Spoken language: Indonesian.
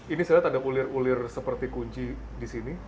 ini saya lihat ada ulir ulir seperti kunci di sini